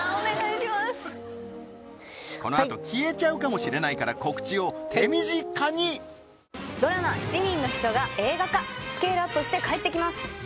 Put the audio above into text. このあと消えちゃうかもしれないから告知を手短にドラマ七人の秘書が映画化スケールアップして帰ってきます